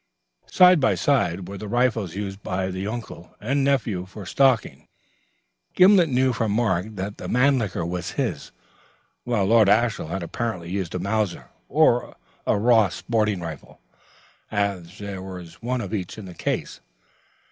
Side by side were the rifles used by the uncle and nephew for stalking, Gimblet knew from Mark that the Mannlicher was his, while Lord Ashiel had apparently used a Mauser or Ross sporting rifle, as there was one of each in the case.